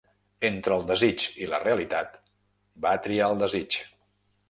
Entre el desig i la realitat, va triar el desig.